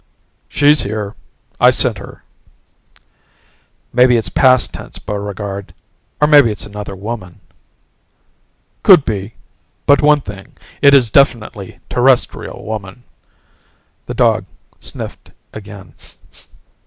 "She's here. I scent her." "Maybe it's past tense, Buregarde. Or maybe it's another woman." "Could be. But one thing: It is definitely Terrestrial woman." The dog sniffed again.